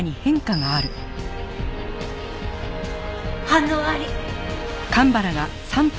反応あり！